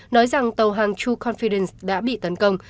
nói rằng tàu hàng true confidence đã bị tấn công